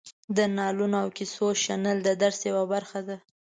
د نالونو او کیسو شنل د درس یوه برخه ده.